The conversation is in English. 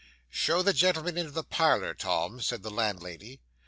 'Show the gentlemen into the parlour, Tom,' said the landlady.